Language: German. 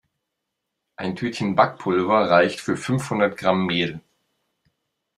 Ein Tütchen Backpulver reicht für fünfhundert Gramm Mehl.